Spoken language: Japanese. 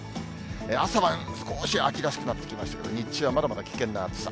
朝晩、少し秋らしくなってきましたけど、日中はまだまだ危険な暑さ。